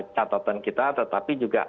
catatan kita tetapi